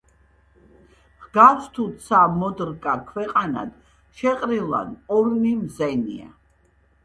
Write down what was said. ჰგავს, თუ ცა მოდრკა ქვეყანად, შეყრილან ორნი მზენია.